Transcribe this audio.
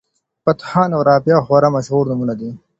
فتح خان او رابعه خورا مشهور نومونه دي.